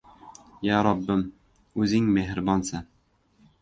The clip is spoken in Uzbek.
— Ya Robbim, o‘zing mehribonsan.